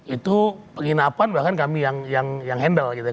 itu penginapan bahkan kami yang handle gitu ya